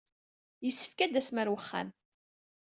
Yessefk ad d-tasem ɣer wexxam.